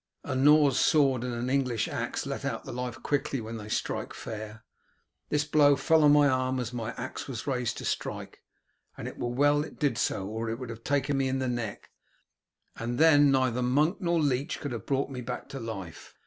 "A Norse sword and an English axe let out the life quickly when they strike fair. This blow fell on my arm as my axe was raised to strike, and it were well it did so, or it would have taken me in the neck, and then neither monk nor leech could have brought me back to life.